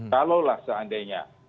kalau lah seandainya